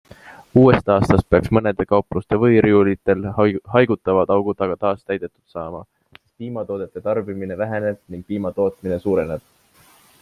Uuest aastast peaks mõnede kaupluste võiriiulitel haigutavad augud aga taas täidetud saama, sest piimatoodete tarbimine väheneb ning piima tootmine suureneb.